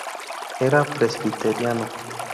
Era presbiteriano.